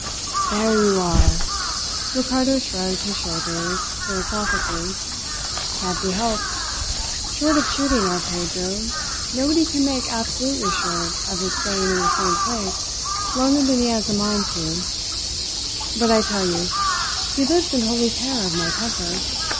"There you are!" Ricardo shrugged his shoulders philosophically. "Can't be helped. Short of shooting our Pedro, nobody can make absolutely sure of his staying in the same place longer than he has a mind to; but I tell you, he lives in holy terror of my temper.